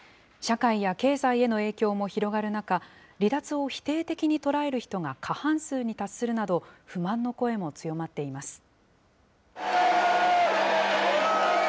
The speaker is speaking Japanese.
社会や経済への影響も広がる中、離脱を否定的に捉える人が過半数に達するなど、不満の声も強まっています。